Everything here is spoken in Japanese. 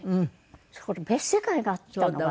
そこに別世界があったのが。